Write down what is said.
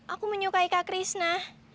aku menyukai kak krisna